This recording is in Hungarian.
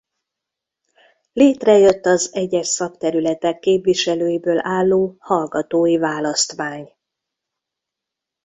Létrejött az egyes szakterületek képviselőiből álló Hallgatói Választmány.